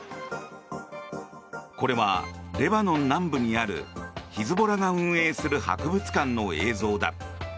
これは、レバノン南部にあるヒズボラが運営する博物館の映像だ。